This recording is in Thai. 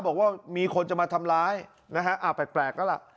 บอกว่ามีคนจะมาทำร้ายนะฮะแปลกแล้วล่ะ